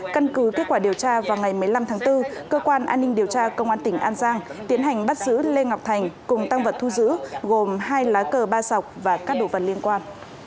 căn cứ kết quả điều tra vào ngày một mươi năm tháng bốn cơ quan an ninh điều tra công an tỉnh an giang tiến hành bắt giữ lê ngọc thành cùng tăng vật thu giữ gồm hai lá cờ ba sọc và các đồ vật liên quan